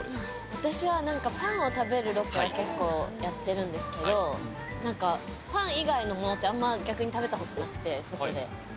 私はパンを食べるロケは結構やってるんですけど、パン以外なものってあんま逆に食べたことなくて、外で。